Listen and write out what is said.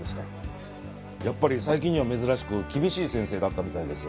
やっぱり最近には珍しく厳しい先生だったみたいです。